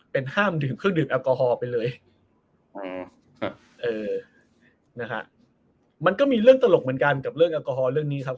เป็นห้ามดื่มเครื่องดื่มแอลกอฮอล์ไปเลยอ๋อครับเออนะฮะมันก็มีเรื่องตลกเหมือนกันกับเรื่องแอลกอฮอลเรื่องนี้ครับ